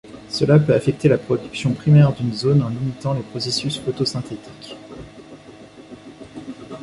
Cela peut affecter la production primaire d'une zone en limitant les processus photosynthétiques.